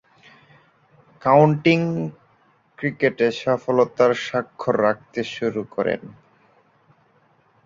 County ক্রিকেটে সফলতার স্বাক্ষর রাখতে শুরু করেন।